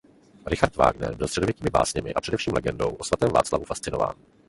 Richard Wagner byl středověkými básněmi a především legendou o Svatém grálu fascinován.